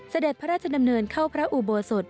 เสด็จพระราชดำเนินเข้าพระอุโบสถ